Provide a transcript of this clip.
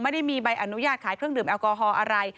ไม่ได้มีใบอนุญาตขายเครื่องดื่มแอลกอฮอล์อะไร